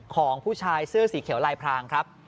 ของผู้ชายเสื้อสีเขียวลายพรางครับ